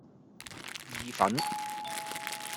意粉